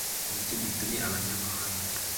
niki gitumye abanyamahanga